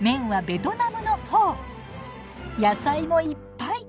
野菜もいっぱい！